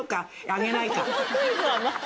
あげないか？